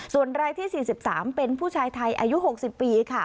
ส่วนรายที่๔๓เป็นผู้ชายไทยอายุ๖๐ปีค่ะ